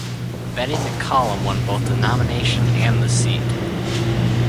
Betty McCollum won both the nomination and the seat.